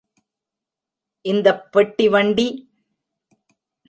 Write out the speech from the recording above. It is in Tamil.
இந்தப் பெட்டி வண்டி?